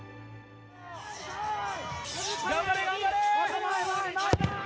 頑張れ、頑張れ！